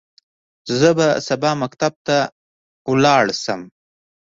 زه به سبا مکتب ته لاړ شم.